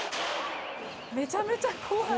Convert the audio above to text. めちゃめちゃ怖い。